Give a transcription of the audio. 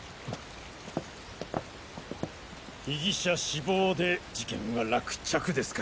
被疑者死亡で事件は落着ですか。